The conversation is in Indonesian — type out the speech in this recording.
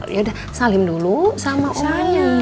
yaudah salim dulu sama oma